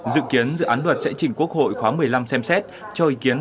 dự kiến dự án luật sẽ chỉnh quốc hội khóa một mươi năm xem xét cho ý kiến